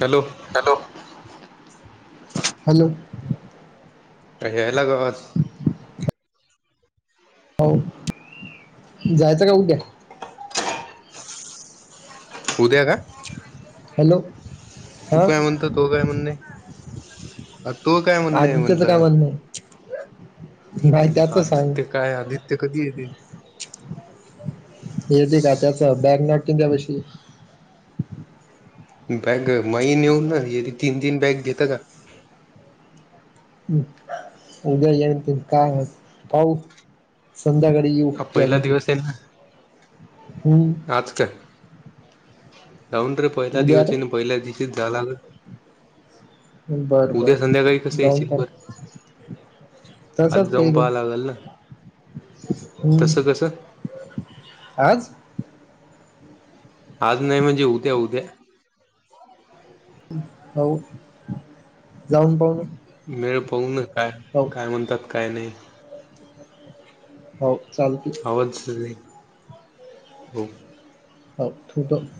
Hello [inaudible] hello hello. काय यायलाय आवाज? होव जायचं का उद्या? उद्या का? हॅलो बघू हा काय म्हण त तओ काय म्हणण य? तओ काय म्हणणय म्हटलं. भाई त्याच सांग. आदित्य काय आदित्य कधी येत हेेत का त्याच बॅग नाटंच्यावयी बॅग मही न येेऊन ना तीन तीन बॅग घेत का हम् उद्या ये काय पाऊ संध्या हा त्या पहिला घडी दिवस आहे ना ह आज काय डाऊन रे पहिला उद्या दिवस ना रे पहिला दिसच झालाग बर बर उद्या संध्याकाळी कसं जाऊन येशील पाहू बर तसंच आज जाऊन पैदल पहां लागल ना हम्म तस कसं आज आज नाही म्हणजे उद्या उद्या होऊ मेळ पाहू ना काय हो काय म्हणतात काय नाही हो चालत आवच सर हो हो ठथत